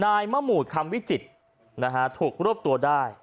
นายมะหมูดคำวิจิตรถูกรวบตัวได้